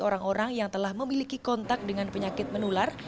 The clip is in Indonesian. orang orang yang telah memiliki kontak dengan penyakit menular